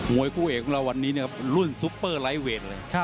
วยคู่เอกของเราวันนี้รุ่นซุปเปอร์ไลท์เวทเลย